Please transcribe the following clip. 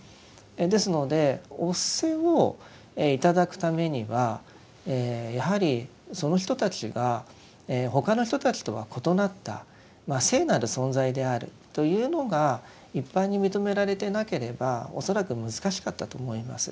ですのでお布施を頂くためにはやはりその人たちが他の人たちとは異なった聖なる存在であるというのが一般に認められてなければ恐らく難しかったと思います。